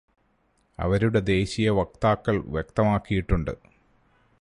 അവരുടെ ദേശീയവക്താക്കൾ വ്യക്തമാക്കിയിട്ടുണ്ട്.